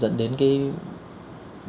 cái tình trạng nhiễm virus của bản thân